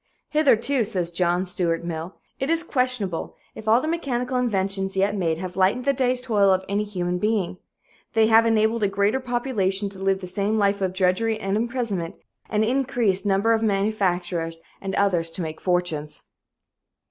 "Hitherto," says John Stuart Mill, "it is questionable if all the mechanical inventions yet made have lightened the day's toil of any human being. They have enabled a greater population to live the same life of drudgery and imprisonment, and an increased number of manufacturers and others to make fortunes."